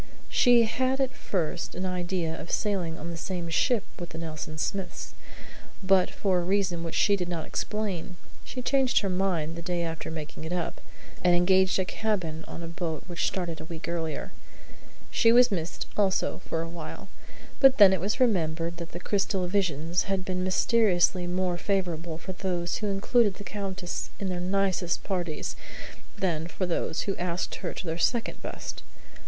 She had at first an idea of sailing on the same ship with the Nelson Smiths; but for a reason which she did not explain, she changed her mind the day after making it up, and engaged a cabin on a boat which started a week earlier. She was missed, also, for a while. But then it was remembered that the crystal visions had been mysteriously more favourable for those who included the Countess in their nicest parties than for those who asked her to their second best.